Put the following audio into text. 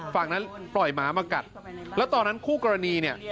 ฝั่งนั้นปล่อยหมามากัดแล้วตอนนั้นคู่กรณีเนี่ย